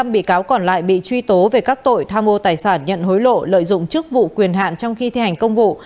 tám mươi năm bị cáo còn lại bị truy tố về các tội tham ô tài sản nhận hối lộ lợi dụng trước vụ quyền hạn trong khi thi hành công vụ